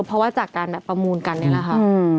เพราะว่าจากการแบบประมูลกันนี่แหละค่ะ